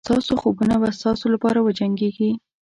ستاسو خوبونه به ستاسو لپاره وجنګېږي.